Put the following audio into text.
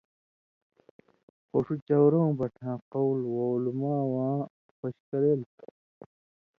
خو ݜُو چٶرٶں بَٹھاں قول وعُلما واں خوش کریل تھُو۔